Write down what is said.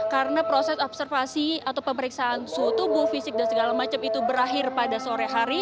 karena proses observasi atau pemeriksaan suhu tubuh fisik dan segala macam itu berakhir pada sore hari